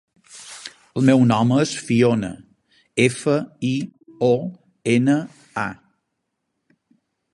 El meu nom és Fiona: efa, i, o, ena, a.